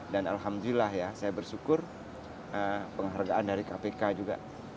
dan alhamdulillah ya saya bersyukur penghargaan dari kpk juga